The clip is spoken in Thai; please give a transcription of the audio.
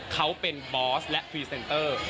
เขาเป็นบอสและพรีเซนเตอร์